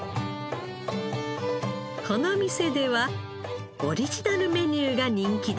この店ではオリジナルメニューが人気です。